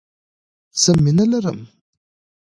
زه مینه لرم.